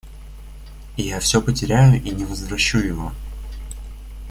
И я всё потеряю и не возвращу его.